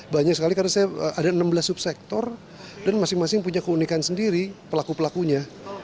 banyak sekali karena saya ada enam belas subsektor dan masing masing punya keunikan sendiri pelaku pelakunya